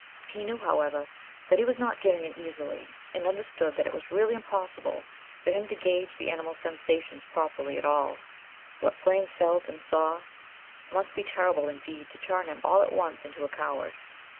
He knew, however, that he was not giving in easily, and understood that it was really impossible for him to gauge the animal's sensations properly at all. What Flame felt, and saw, must be terrible indeed to turn him all at once into a coward.